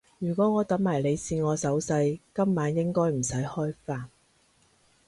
如果我等埋你試我手勢，今晚應該唔使開飯